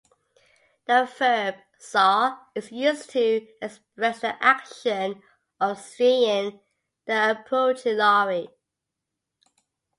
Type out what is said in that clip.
The verb "saw" is used to express the action of seeing the approaching lorry.